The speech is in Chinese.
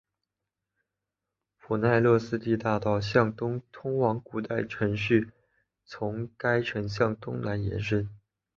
普奈勒斯蒂大道向东通往古代城市从该城向东南延伸。